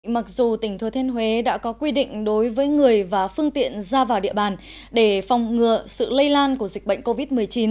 mặc dù tỉnh thừa thiên huế đã có quy định đối với người và phương tiện ra vào địa bàn để phòng ngừa sự lây lan của dịch bệnh covid một mươi chín